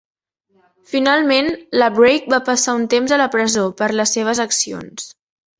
Finalment, LaBrake va passar un temps a la presó per les seves accions.